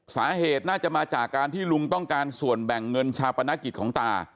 สาเหตุน่าจะมาจากการที่ลุงต้องการส่วนแบ่งเงินชาปนกิจของตา